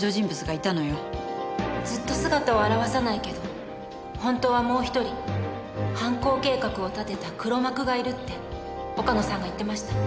ずっと姿を現さないけど本当はもう一人犯行計画を立てた黒幕がいるって岡野さんが言ってました。